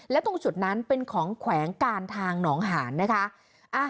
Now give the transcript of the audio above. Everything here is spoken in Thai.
และตรงจุดนั้นเป็นของแขวงการทางหนองหานนะคะ